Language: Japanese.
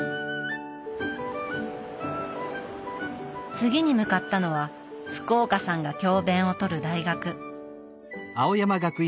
次に向かったのは福岡さんが教べんを執る大学。